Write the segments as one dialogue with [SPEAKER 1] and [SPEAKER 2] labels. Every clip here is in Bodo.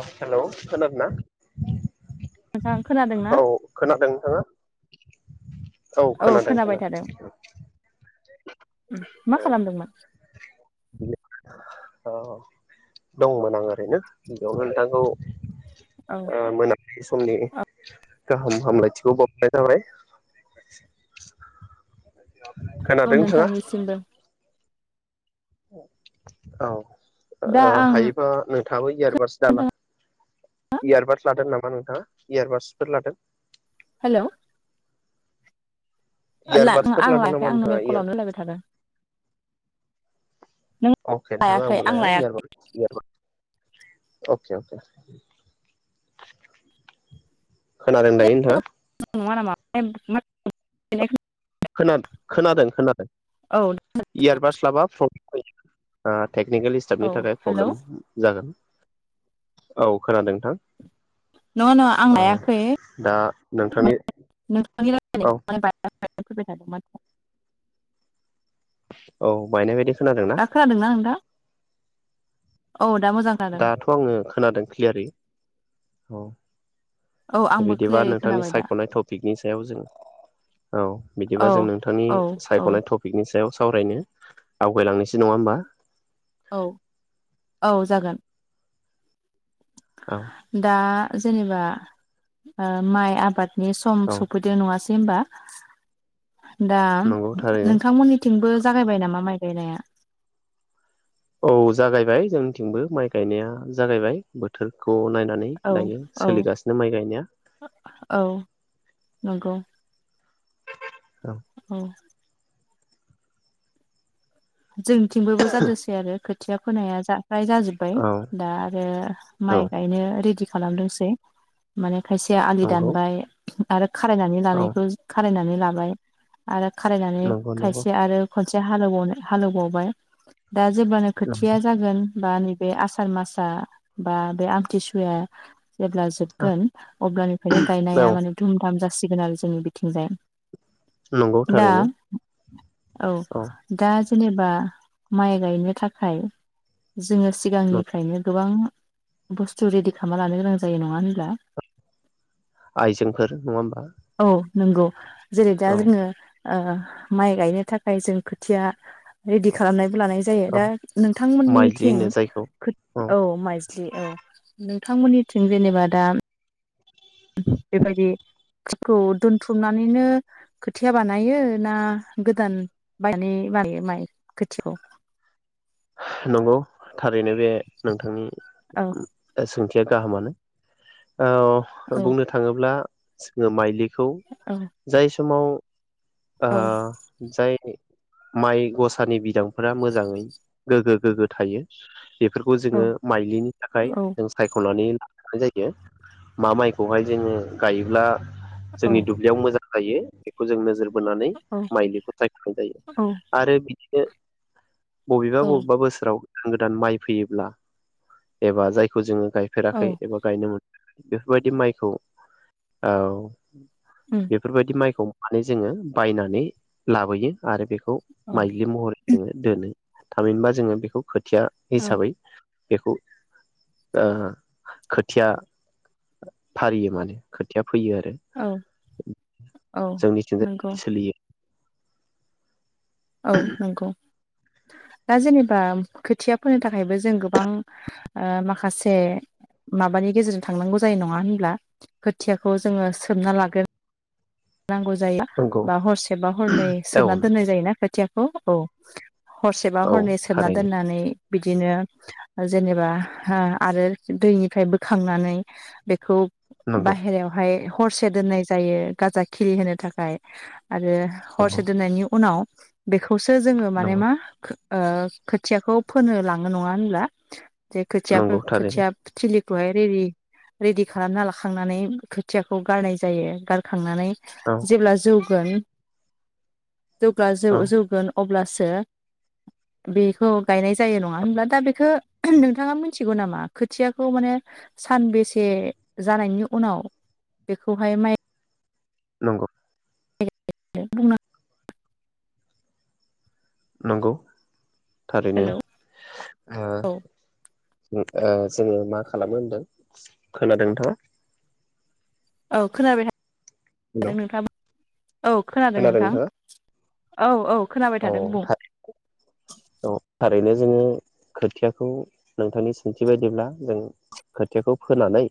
[SPEAKER 1] हेलौ खानादोंना
[SPEAKER 2] नोंथां खोनादों ना
[SPEAKER 1] औ खोनादों नोंथाङा औ खोनादों
[SPEAKER 2] खोनाबाय थादों
[SPEAKER 1] खोनादों
[SPEAKER 2] उम मा
[SPEAKER 1] औ
[SPEAKER 2] खालामदोंमोन
[SPEAKER 1] औ दंमोन आं ओरैनो बेयावनो नोंथांखौ
[SPEAKER 2] औ
[SPEAKER 1] [unintelligible] समनि
[SPEAKER 2] औ
[SPEAKER 1] गाहाम हामलायथिखौ बावहरनाय जाबाय
[SPEAKER 2] औ
[SPEAKER 1] खोनादों नोंथाङा
[SPEAKER 2] नोंथांनिसिमबो
[SPEAKER 1] औ
[SPEAKER 2] दा
[SPEAKER 1] आ
[SPEAKER 2] आं
[SPEAKER 1] हायोबा नों नशशथाबो इयारबादस दाला
[SPEAKER 2] नोंथां
[SPEAKER 1] इयारबादस लादों नामा नोंथाङा इयारबादसफोर लादों
[SPEAKER 2] हेल' आं
[SPEAKER 1] इयारबादसफोर लादों
[SPEAKER 2] लायाखै
[SPEAKER 1] नामा
[SPEAKER 2] आंनो
[SPEAKER 1] नोंथाङा
[SPEAKER 2] [unintelligible]
[SPEAKER 1] इयार
[SPEAKER 2] कलावनो लायबाय थादों। नों
[SPEAKER 1] अके नोंथाङा
[SPEAKER 2] लायाखै
[SPEAKER 1] आंबो
[SPEAKER 2] आं
[SPEAKER 1] लाया
[SPEAKER 2] लायाखै
[SPEAKER 1] इयारबाडस अके अके। खोनादों दायो नोंथाङा?
[SPEAKER 2] नङा नामा [unintelligible]
[SPEAKER 1] खोनादों खोनादों खोनादों
[SPEAKER 2] औ
[SPEAKER 1] इयारबाडस लाबा प्रब्लेम टेकनिकेल स्टाफनि
[SPEAKER 2] औ
[SPEAKER 1] थाखाय
[SPEAKER 2] हेलौ
[SPEAKER 1] प्रब्लेम जागोन। औ खोनादों नोंथां।
[SPEAKER 2] नङा नङा आं
[SPEAKER 1] औ
[SPEAKER 2] हायाखै
[SPEAKER 1] दा नोंथांनि
[SPEAKER 2] नोंथांनि [unintelligible]
[SPEAKER 1] औ
[SPEAKER 2] [unintelligible] फैबाय थादों मानो [unintelligible]
[SPEAKER 1] औ मायनायबायदि
[SPEAKER 2] दा खोनादोंना नोंथां? औ दा मोजां खोनादों
[SPEAKER 1] दाथ' आङो खोनादों क्लियारि। औ।
[SPEAKER 2] औ आंबो
[SPEAKER 1] बिदिबा
[SPEAKER 2] क्लियारै
[SPEAKER 1] नोंथांनि
[SPEAKER 2] खोनाबाय दा
[SPEAKER 1] सायख'नाय टपिकनि सायाव जों औ बिदिबा
[SPEAKER 2] औ
[SPEAKER 1] जों नोंथांनि
[SPEAKER 2] औ औ
[SPEAKER 1] सायख'नाय टपिकनि सायाव सावरायनो आवगायलांनोसै नङा होमबा।
[SPEAKER 2] औ औ जागोन।
[SPEAKER 1] औ
[SPEAKER 2] दा जेनेबा ओ माइ आबाद नि सम
[SPEAKER 1] औ
[SPEAKER 2] सफैदो नङा सै होमबा। दा
[SPEAKER 1] नंगौ थारैनो
[SPEAKER 2] नोंथांमोननिथिंबो जागायबाय नामा माइ गायनाया?
[SPEAKER 1] औ जागायबाय जोंनिथिंबो माइ गायनाया जागायबाय बोथोरखौ नाय नानै
[SPEAKER 2] औ
[SPEAKER 1] दायो
[SPEAKER 2] औ
[SPEAKER 1] सोलिगासिनो माइ गायनाया।
[SPEAKER 2] नोंगौ। औ। जोंनिथिंबोबो जादोंसै आरो खो थिया फोनाया जा फ्राय जाजोब्बाय
[SPEAKER 1] औ
[SPEAKER 2] दा आरो
[SPEAKER 1] औ
[SPEAKER 2] माइ गायनो रेडि खालामदोंसै माने खायसे आलि
[SPEAKER 1] नंगौ
[SPEAKER 2] दानबाय आरो खारायनानै
[SPEAKER 1] औ
[SPEAKER 2] लानायखौ खारायनानै लाबाय आरो खालायनानै
[SPEAKER 1] नंगौ नंगौ
[SPEAKER 2] खायसे आरोब खनसे हाल एवबावनो हालौबावबाय दा जेब्लानो
[SPEAKER 1] औ
[SPEAKER 2] खोथिया जागोन बा नैबे आसार मासआ बा बे आमथिसुवाया जेब्ला जोबगोन अब्लानिफ्रायनो गायनाया माने धुम धाम ज सिगोन आरो जोंनि बिथिंजाय
[SPEAKER 1] नंगौ
[SPEAKER 2] दा
[SPEAKER 1] थारैनो।
[SPEAKER 2] औ दा ज जेनेबा माइ गायनो थाखाय ज जोङो सिगांनिफ्रायनो गोबां बुस्थु रेडि खालामना लानो गोनां जायो नङा होनब्ला?
[SPEAKER 1] आइजेंफोर नङा होमबा?
[SPEAKER 2] नोंगौ। जेरै दा
[SPEAKER 1] औ
[SPEAKER 2] जोङो ओ माइ गायनो थाखाय जों खोथिया रेडि खालामनाय लानाय जायो
[SPEAKER 1] औ
[SPEAKER 2] दा
[SPEAKER 1] माइज्लि
[SPEAKER 2] नोंथांमोननिथिं
[SPEAKER 1] होनो जायखौ
[SPEAKER 2] खोथ औ माइज्लि औ नों थांमोननिथिं जेनेबा दाम बेबायदिखौ दोनथुमनानैनो खोथिया बानायो ना गोदान बायनानै बानायो माइ खोथिखौ
[SPEAKER 1] नंगौ। थारैनो बे नोंथांनि
[SPEAKER 2] औ
[SPEAKER 1] उम ओ सोंथि जे गाहामानो ओ
[SPEAKER 2] औ
[SPEAKER 1] बुंनो थाङोब्ला जोङो माइलि खौ
[SPEAKER 2] औ
[SPEAKER 1] जाय स समाव आ
[SPEAKER 2] औ
[SPEAKER 1] जाय माइ गसानि बिदांफोरा मोजाङै गोग्गो गोग्गो थायो। बेफोरखौ
[SPEAKER 2] औ
[SPEAKER 1] जोङो माइलिनि थाखाय
[SPEAKER 2] औ
[SPEAKER 1] जों सायख'नानै आ‌ जायो मा माइखौहाय जोङो गायोब्ला
[SPEAKER 2] औ
[SPEAKER 1] जोंनि दुब्लियाव मोजां जायो [inaudible] बोनानै
[SPEAKER 2] औ
[SPEAKER 1] माइलिखौ सायख'नाय जायो आरो बि [unintelligible] बबेबा
[SPEAKER 2] औ
[SPEAKER 1] बब बोसोराव गोदान गोदान माइ फैयोब्ला एबा जायखौ जोङो गायफेराखै
[SPEAKER 2] औ
[SPEAKER 1] एबा गायनो मोन बेफोरबायदि माइखौ औ
[SPEAKER 2] उम
[SPEAKER 1] बेफोरबायदि माइखौ माने जोङो बायनानै लाबोयो आरो बे खौ
[SPEAKER 2] औ
[SPEAKER 1] माइलि महरै जोङो दोनो। थामिनबा जोङो बेखौ खोथिया
[SPEAKER 2] औ
[SPEAKER 1] हिसाबै बेखौ ओ खोथिया फारियो माने खोथिया फैयो आरो
[SPEAKER 2] औ औ
[SPEAKER 1] जोंनिथिं
[SPEAKER 2] नंगौ
[SPEAKER 1] बिदि सोलियो।
[SPEAKER 2] औ नोंगौ‌। दा जेनेबा खोथिया फोनो थाखायबो जों गोबां माखासे माबानि गेजेरजों थांनांगौ जायो नङा होनब्ला खोथियाखौ जोङो सोमना लागोन नांगौ जायो
[SPEAKER 1] नंगौ
[SPEAKER 2] बा हरसेबा हरनै
[SPEAKER 1] औ
[SPEAKER 2] सोबनानै
[SPEAKER 1] नंगौ
[SPEAKER 2] दोननाय जायोना [unintelligible] थियाखौ औ हरसेबा
[SPEAKER 1] औ
[SPEAKER 2] हरनै सोमना
[SPEAKER 1] थारैनो
[SPEAKER 2] दोननानै बिदिनो जेनेबा ओ आरो दैनिफ्राय बोखांनानै बेखौ
[SPEAKER 1] नंगौ
[SPEAKER 2] बाहेरायावहाय हरसे दोननाय जायो गाजा खिलिहोनो थाखाय आरो
[SPEAKER 1] नंगौ
[SPEAKER 2] हरसे दोननायनि उनाव बेखौ खौसो जोङो माने
[SPEAKER 1] नंगौ
[SPEAKER 2] मा ओ खोथियाखौ फोनो लाङो नङा होनब्ला? जे
[SPEAKER 1] नंगौ
[SPEAKER 2] खोथियाफोर
[SPEAKER 1] थारैनो
[SPEAKER 2] खोथिया थिलि [unintelligible] हाय रेदि रेदि खालामना लांखांनानै खोथियाखौ गारनाय जायो गारखांनानै
[SPEAKER 1] औ
[SPEAKER 2] जेब्ला जौ गोन जेब्ला
[SPEAKER 1] औ
[SPEAKER 2] जौ-जौगोन अब्लासो [unintelligible] बेखौ गायनाय जायो नङा होनब्ला दा बेखौ नोंथाङा मिथिगौ नामा खोथियाखौ माने सानबेसे जानायनि उनाव बेखौहाय माइ
[SPEAKER 1] नंगौ।
[SPEAKER 2] बुं
[SPEAKER 1] नंगौ। थारैनो
[SPEAKER 2] हेलौ
[SPEAKER 1] ओ
[SPEAKER 2] औ
[SPEAKER 1] ओ जोङो मा खालामो होनदों खोनादों नोथांआ।
[SPEAKER 2] औ खोनाबाय?
[SPEAKER 1] हेलौ
[SPEAKER 2] आरो नोंथां औ खोनादों नोंथां। औ औ। खोनाबाय
[SPEAKER 1] औ
[SPEAKER 2] थादों बुं
[SPEAKER 1] थारैनो औ थारैनो। जोङो खोथियाखौ नोंथांनि सोंथि बायदिब्ला जों खोथियाखौ फोनानै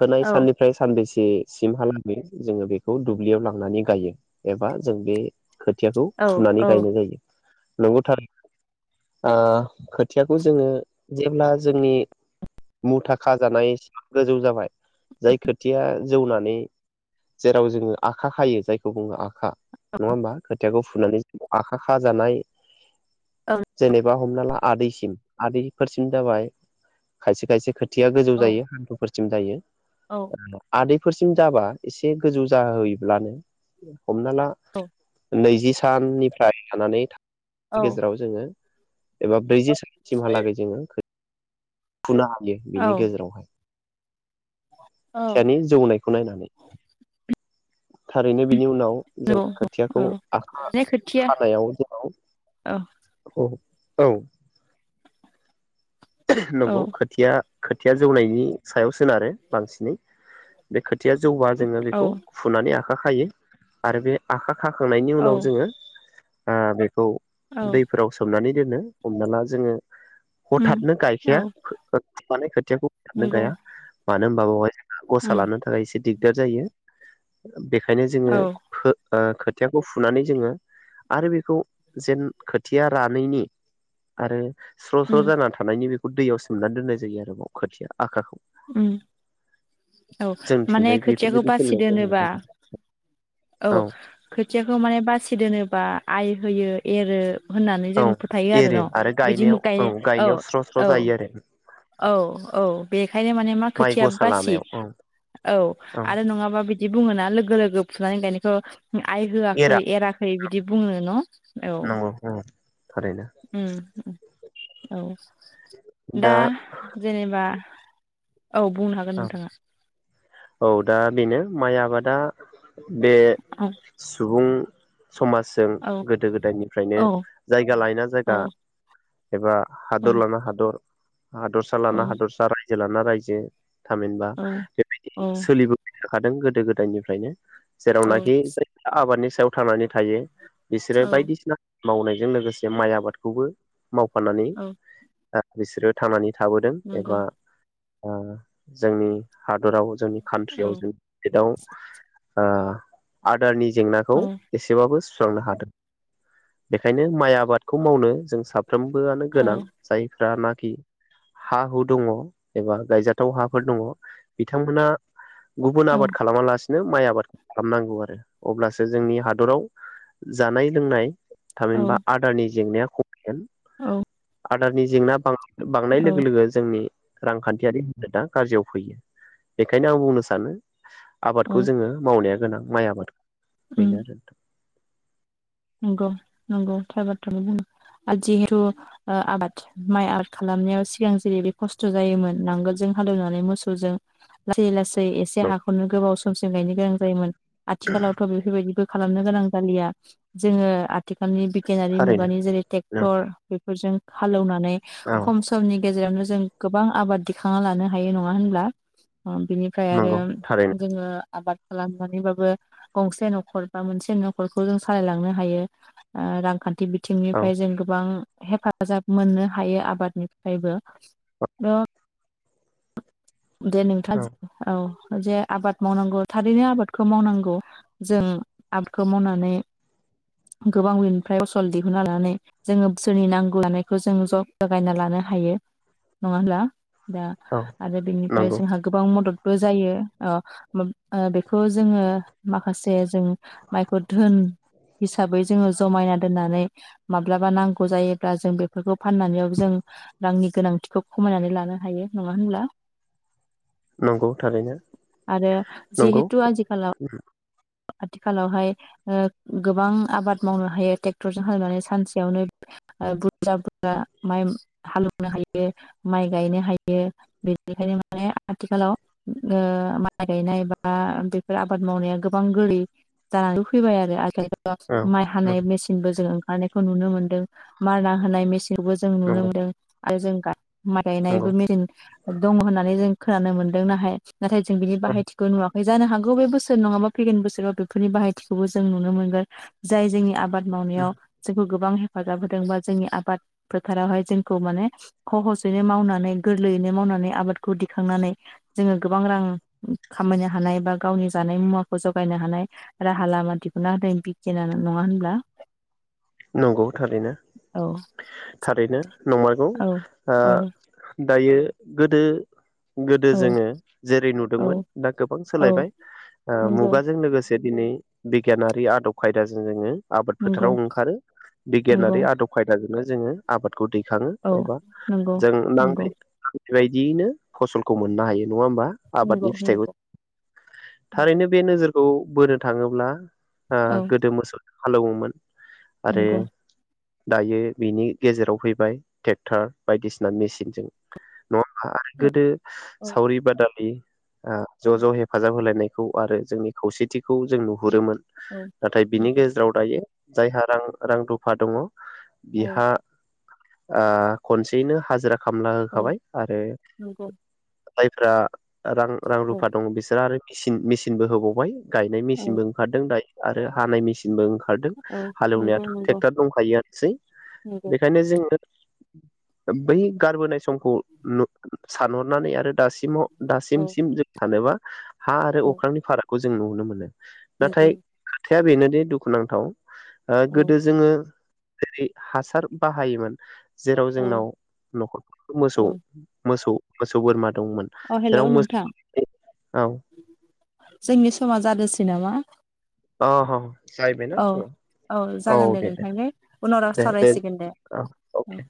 [SPEAKER 1] होनाय
[SPEAKER 2] औ
[SPEAKER 1] साननिफ्राय सानबैसे जे सिमहालागै जोङो बेखौ दुब्लियाव लांनानै गायो एबा जों बे खोथियाखौ
[SPEAKER 2] औ
[SPEAKER 1] फुनानै
[SPEAKER 2] औ
[SPEAKER 1] गायनाय जायो। नंगौ थारैनो ओ खोथियाखौ जोङो जेब्ला जोंनि मुथा खाजानाय गोजौ जाबाय जाय खोथिया जौनानै जेराव जोङो आखा खायो जायखौ बुङो आखा। नङा होनबा? थियाखौ फुनानै आखा खाजानाय
[SPEAKER 2] औ
[SPEAKER 1] जेनेबा हमना ला आदैसिम आदैफोरसिम जाबाय खायसे खायसे खोथि थिया गोजौ
[SPEAKER 2] औ
[SPEAKER 1] जायो हान्थुफोर सिम जायो।
[SPEAKER 2] औ
[SPEAKER 1] आदै फोरसिम जाबा एसे गोजौ जाहोयोब्लानो हमना ला नैजि साननिफ्राय जानानै था
[SPEAKER 2] औ
[SPEAKER 1] गेजेराव जोङो एबा ब्रैजि सिमहालागै जोङो फुनो हायो बिनि
[SPEAKER 2] औ
[SPEAKER 1] गेजेरावहाय।
[SPEAKER 2] औ
[SPEAKER 1] थियानि जौनायखौ नायनानै। थारैनो बिनि उनाव जों
[SPEAKER 2] औ औ
[SPEAKER 1] खोथियाखौ आखा
[SPEAKER 2] माने खोथिया
[SPEAKER 1] खानायाव जेराव
[SPEAKER 2] औ
[SPEAKER 1] औ। औ।
[SPEAKER 2] औ
[SPEAKER 1] नंगौ खोथिया खोथिया जौनायनि सायाव सोनारो बांसिनै बे खोथिया जौबा जोङो
[SPEAKER 2] औ
[SPEAKER 1] बेखौ फुनानै आ खा खायो आरो बे आखा खाखांनायनि
[SPEAKER 2] औ
[SPEAKER 1] उनाव जोङो आ बे खौ
[SPEAKER 2] औ
[SPEAKER 1] दैफोराव सोमनानै दोनो हमना ला जोङो
[SPEAKER 2] उम
[SPEAKER 1] थाबनो गायखाया
[SPEAKER 2] औ
[SPEAKER 1] माने खो थियाखौ थाबनो
[SPEAKER 2] नंगौ
[SPEAKER 1] गाया। मानो होनोमबा बेवहाय गसा
[SPEAKER 2] उम
[SPEAKER 1] लानो थाखाय एसे दिगदार जायो। बेखायनो जोङो
[SPEAKER 2] औ
[SPEAKER 1] फो ओ खोथियाखौ फुनानै जोङो आरो बेखौ जेन खोथिया रानैनि आरो स्र स्र
[SPEAKER 2] उम
[SPEAKER 1] जाना था बेखौ दैयाव सोमनानै दोन्नाय जायो आरोबाव खाथिया आखाखौ।
[SPEAKER 2] उम। औ माने
[SPEAKER 1] जोंथिंजाय
[SPEAKER 2] खोथियाखौ
[SPEAKER 1] बेफोरबायदि
[SPEAKER 2] बासि
[SPEAKER 1] सोलिनायखौ
[SPEAKER 2] दोनोबा
[SPEAKER 1] नुदों
[SPEAKER 2] औ खोथियाखौ माने बासिदो नोबा जेनेबा आइ होयो एरो होननानै
[SPEAKER 1] औ
[SPEAKER 2] जों फोथायो आरो
[SPEAKER 1] एरो
[SPEAKER 2] न' बिदि म
[SPEAKER 1] गायनायाव
[SPEAKER 2] गाय औ
[SPEAKER 1] गायनायाव स्र' स्र'
[SPEAKER 2] औ
[SPEAKER 1] जायो आरो
[SPEAKER 2] औ औ बेखायनो माने मा
[SPEAKER 1] माइ
[SPEAKER 2] खोथिया
[SPEAKER 1] गसा
[SPEAKER 2] बासि
[SPEAKER 1] लानायाव औ
[SPEAKER 2] औ आरो नङाबा बि बिदि बुङो ना लोगो लोगो फुनानै गायनायखौ आइ होआखै
[SPEAKER 1] एरा
[SPEAKER 2] एराखै बिदि बुंनो न'
[SPEAKER 1] नंगौ औ थारैनो
[SPEAKER 2] उम औ दा जेनेबा औ बुंनो हागोन नोंथाङा
[SPEAKER 1] औ दा बेनो माइ आबादा बे
[SPEAKER 2] औ
[SPEAKER 1] सुबुं समाजजों
[SPEAKER 2] औ
[SPEAKER 1] गोदो गोदायनिफ्रायनो
[SPEAKER 2] औ
[SPEAKER 1] जायगा लायना
[SPEAKER 2] औ
[SPEAKER 1] जायगा एबा
[SPEAKER 2] औ
[SPEAKER 1] हादर लाना हादर हादरसा लाना
[SPEAKER 2] औ
[SPEAKER 1] हादरसा राय जेलाना रायजो थामिनबा बेबायदि सोलिबो [unintelligible] खादों गोदो गोदायनिफ्रायनो।
[SPEAKER 2] औ
[SPEAKER 1] जेरावनाखि [unintelligible] आबादनि सायाव थांनानै थायो। बिसोरो
[SPEAKER 2] औ
[SPEAKER 1] बायदिसिना मावनायजों लोगोसे माइ आबादखौबो मावफानानै
[SPEAKER 2] औ
[SPEAKER 1] [unintelligible] बिसोरो थांनानै थाबोदों एबा
[SPEAKER 2] नंगौ
[SPEAKER 1] ओ जोंनि हादराव जोंनि
[SPEAKER 2] औ
[SPEAKER 1] कान्ट्रियाव जोंनि स्टेटआव ओ [unintelligible] जेंनाखौ
[SPEAKER 2] औ
[SPEAKER 1] एसेबाबो सुस्रांनो हादों बेखायनो माइ आबादखौ मावनो जों साब फ्रोमबोआनो गोनां जायफ रा नाखि हा हु दङ एबा गायजा थाव हाफोर दङ। बिथांमोना गुबुन
[SPEAKER 2] औ
[SPEAKER 1] आबाद खालामालासि नो माइ आबाद खालामनांगौ आरो अब्लासो जोंनि हादराव जानाय लोंनाय
[SPEAKER 2] औ
[SPEAKER 1] थामहिनबा आदारनि जेंनाया [unintelligible]
[SPEAKER 2] औ
[SPEAKER 1] आदारनि जेंना बां बांनाय
[SPEAKER 2] औ
[SPEAKER 1] लोगो लोगो जोंनि रांखान्थियारि दा गाज्रियाव फैयो बेखायनो आं बुंनो सानो आबादखौ
[SPEAKER 2] औ
[SPEAKER 1] जोङो मावनाया गोनां माइ आबाद।
[SPEAKER 2] उम
[SPEAKER 1] बेनो आरो नोंथां।
[SPEAKER 2] नंगौ नंगौ थार बाथ्राखौ बुंदों आरो जिहेथु आबाद माइ आबाद खालामनायाव सिगां जेरै बे खस्थ' जायोमोन नांगोलजों हालेवनानै मोसौजों लासै लासै एसे
[SPEAKER 1] नोंथां
[SPEAKER 2] हाखौनो गोबावसम समसिम गायनो गोनां जायोमोन। आथिखालावथ' बेफोरबायदिबो खालामनो गोनां जालिया। जोङो आथि खालनि बिगियानारि
[SPEAKER 1] थारैनो
[SPEAKER 2] मुगानि जेरै
[SPEAKER 1] औ
[SPEAKER 2] ट्रेक्टर फोरजों हालौवना नै खम समनि गेजावनो जों गोबां आबाद दिखांना लानो हायो नङा होनब्ला बिनिफ्राय आरो
[SPEAKER 1] नंगौ थारैनो
[SPEAKER 2] जोङो आबाद खालामनानैबाबो गंसे न'खर बा मोनसे न'खरखौ जों सालायलांनो हायो ओ रांखान्थि बि
[SPEAKER 1] औ
[SPEAKER 2] बिथिंनिफ्राय जों गोबां हेफाजाब मोननो हायो आबादनिफ्रायबो [unintelligible] दे
[SPEAKER 1] औ
[SPEAKER 2] नोंथाङा औ। जे आबाद मावनांगौ थारैनो आबादखौ मावनांगौ जों आबादखौ मावनानै गोबां बिनिफ्राय फसल दिहुनना लानानै जोङो बोसोरनि नांगौ जानायखौ जों ज' जगायना लानो हायो नङा होनब्ला। दा
[SPEAKER 1] औ
[SPEAKER 2] आरो निफ्राय
[SPEAKER 1] नंगौ
[SPEAKER 2] जोंहा गोबां मददबो जयो ओ माब ओ बेखौ जोङो माखासे जों माइखौ धोन हिसाबै जोङो जमायना दोननानै माब्लाबा नांगौ जायोब्ला जों बेफोरखौ फाननानैबाबो जों रांनि गोनांथिखौ खमायनानै लानो हायो नङा होनब्ला।
[SPEAKER 1] नंगौ थारैनो
[SPEAKER 2] आरो
[SPEAKER 1] नंगौ
[SPEAKER 2] जिहेतु आजिखालाव आथिखालावहाय ओ गोबां आबाद मावनो हायो ट्रेक्टरजों हालेवनानै सानसेयावनो बुरजा बुरजा माइ हालेवनो हायो माइ गायनो हायो बेनिखायनो माने आथिखालाव ओ माइ गायनाय बा बेफोर आबाद मावनाया गोबा बांगलि दा रुफैबाय आरो आ
[SPEAKER 1] औ
[SPEAKER 2] माइ हानाय मेसिनबो जोङो नायखौ नुनो मोनदों मारना होनाय मेसि थेवबो जों नुनो
[SPEAKER 1] नंगौ
[SPEAKER 2] मोनदों आरो जों गा
[SPEAKER 1] नंगौ
[SPEAKER 2] [unintelligible] दङ होननानै जों खोनानो मोनदों नाहाय नाथाय जों बिनि बाहायथिखौ नुवाख बे जानो हागौ बे बोसोर नङाबा फैगोन बोसोराव बेफोरनि बाहायथिखौबो जों नुनो मोनगोन जाय जोंनि आबाद
[SPEAKER 1] औ
[SPEAKER 2] मावनायाव जे गोबां हेफाजाब होदों बा जोंनि आबाद फोथारावहाय जोंखौ माने खहसयैनो मावनानै गोरलैयैनो मावनानै आबादखौ दिखांनानै जोङो गोबां रां खामायनो हानाय बा गावनि जानाय मुवा खौ जगायनो हानाय राहा लामा दिहुना होदों बिगियाना नङा होनब्ला?
[SPEAKER 1] नंगौ थारैनो
[SPEAKER 2] औ
[SPEAKER 1] थारैनो नंमारगौ
[SPEAKER 2] औ
[SPEAKER 1] ओ
[SPEAKER 2] औ
[SPEAKER 1] दायो गोदो गोदो
[SPEAKER 2] औ
[SPEAKER 1] जोङो जेरै नुदोंमोन
[SPEAKER 2] औ
[SPEAKER 1] दा गोबां
[SPEAKER 2] औ
[SPEAKER 1] सोलायबाय
[SPEAKER 2] नंगौ
[SPEAKER 1] मुगाजों लोगोसे दिनै बिगियानारि आदब खायदाजों जोङो आबाद
[SPEAKER 2] नंगौ
[SPEAKER 1] फोथाराव ओंखारो
[SPEAKER 2] नंगौ
[SPEAKER 1] बिगियानारि आद खायदा नो जोङो आबाद खौ दैखाङो
[SPEAKER 2] औ
[SPEAKER 1] एबा
[SPEAKER 2] नंगौ
[SPEAKER 1] जों
[SPEAKER 2] नंगौ
[SPEAKER 1] नांनाय बेबायदियैनो फसलखौ मोननो हायो। नङा होमबा
[SPEAKER 2] नंगौ
[SPEAKER 1] आबादनि फिथाइखौ
[SPEAKER 2] नंगौ नंगौ
[SPEAKER 1] थारैनो बे नोजोर खौ बोनो थाङोब्ला आ
[SPEAKER 2] औ
[SPEAKER 1] गोदो मोसौ हालौओमोन।
[SPEAKER 2] नंगौ
[SPEAKER 1] दायो बिनि गेजेराव फैबाय टेक्टार बायदिसिना मेसिनजों नङाबा आरो
[SPEAKER 2] औ
[SPEAKER 1] गोदो
[SPEAKER 2] औ
[SPEAKER 1] सावरि बादालि ओ ज ज हेफाजाब होलाय नाय खौ आरो जोंनि खौसेथिखौ जों नुहुरोमोन।
[SPEAKER 2] औ
[SPEAKER 1] नाथाय बिनि
[SPEAKER 2] नंगौ
[SPEAKER 1] गेजेराव दायो जायहा रां रां रुफा दङ
[SPEAKER 2] औ
[SPEAKER 1] बिहा ओ खनसेयैनो हाजिरा खामला
[SPEAKER 2] औ
[SPEAKER 1] होखाबाय आरो
[SPEAKER 2] नंगौ
[SPEAKER 1] जायफ्रा रां रां
[SPEAKER 2] औ
[SPEAKER 1] रुफा दङ बिसोरो आरो मिसिन मेचिनबो होबावबाय गायनाय
[SPEAKER 2] औ
[SPEAKER 1] मेसिनबो ओंखारदों दायो आरो हानाय मेसिन बो ओंखारदों
[SPEAKER 2] औ
[SPEAKER 1] हालेवनायाथ
[SPEAKER 2] नंगौ नंगौ
[SPEAKER 1] ट्रेक्टर दंखायो आनोसै
[SPEAKER 2] नंगौ
[SPEAKER 1] बेखायनो जोङो बै गारबोनाय सम औ न सानहरनानै आरो दासिम माव
[SPEAKER 2] औ
[SPEAKER 1] दासिमसिम जों सानोबा हा आरो अख्रांनि फाराग खौ जों नुनो मोनो। नाथाय
[SPEAKER 2] नुदों
[SPEAKER 1] खोथाया बेनोदि दुखुनांथाव।
[SPEAKER 2] औ
[SPEAKER 1] गोदो जोङो जेरै हासार बाहायोमोन जेराव
[SPEAKER 2] औ
[SPEAKER 1] जोंनाव न'खर
[SPEAKER 2] औ
[SPEAKER 1] मोसौ मोसौ मोसौ बोरमा दंमोन
[SPEAKER 2] अ हेलौ
[SPEAKER 1] जेराव मोसौ
[SPEAKER 2] नोंथां
[SPEAKER 1] औ
[SPEAKER 2] जोंनि समा जादोसै नामा
[SPEAKER 1] अ अ
[SPEAKER 2] औ औ जागोन दे नोंथांजों उनाव सावरायसिगोन दे
[SPEAKER 1] औ अके
[SPEAKER 2] औ।